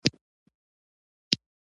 چا نه پېژندله.